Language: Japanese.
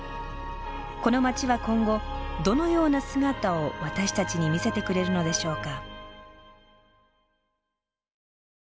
この街は今後どのような姿を私たちに見せてくれるのでしょうか？